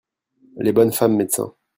les bonnes femmes médecins.